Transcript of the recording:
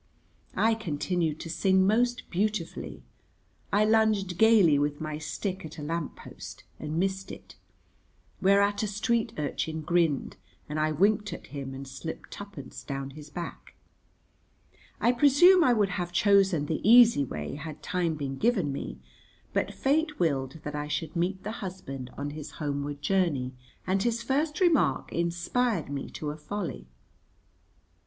I continued to sing most beautifully. I lunged gayly with my stick at a lamp post and missed it, whereat a street urchin grinned, and I winked at him and slipped twopence down his back. I presume I would have chosen the easy way had time been given me, but fate willed that I should meet the husband on his homeward journey, and his first remark inspired me to a folly.